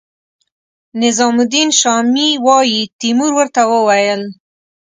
نظام الدین شامي وايي تیمور ورته وویل.